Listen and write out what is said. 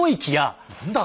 何だ！